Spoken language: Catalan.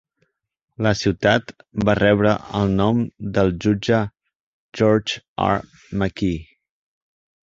La ciutat va rebre el nom del jutge George R. McKee.